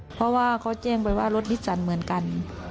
เพราะว่าเขาแจ้งไปว่ารถนิสสันเหมือนกัน